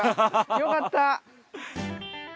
よかった。